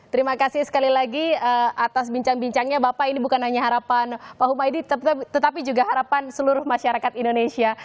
terima kasih sekali lagi atas bincang bincangnya bapak ini bukan hanya harapan pak humaydi tetapi juga harapan seluruh masyarakat indonesia